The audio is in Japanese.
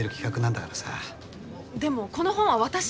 でもこの本は私が。